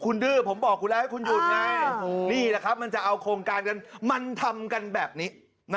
คุณดื้อผมบอกคุณแล้วให้คุณหยุดไงนี่แหละครับมันจะเอาโครงการกันมันทำกันแบบนี้